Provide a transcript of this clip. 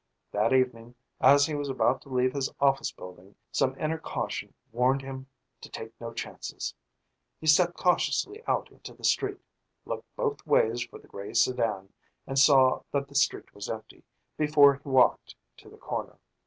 That evening, as he was about to leave his office building, some inner caution warned him to take no chances. He stepped cautiously out into the street, looked both ways for the gray sedan, and saw that the street was empty, before he walked to the corner.